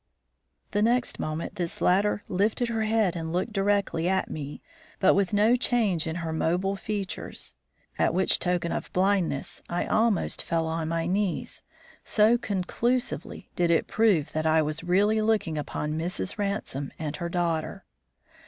The next moment this latter lifted her head and looked directly at me, but with no change in her mobile features; at which token of blindness I almost fell on my knees, so conclusively did it prove that I was really looking upon Mrs. Ransome and her daughter.